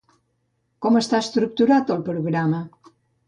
Com està estructurat el programa?